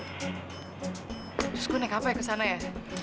terus gue naik apa ya ke sana ya